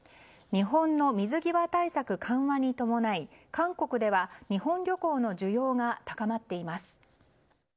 日本の水際対策緩和に伴い韓国では日本旅行の需要が高まっています。